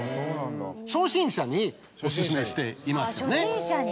初心者にお薦めしていますよね。